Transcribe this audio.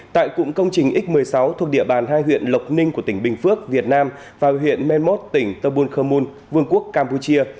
tại cụm công trình x một mươi sáu thuộc địa bàn hai huyện lộc ninh của tỉnh bình phước việt nam và huyện menmos tỉnh tâ buôn khơ môn vương quốc campuchia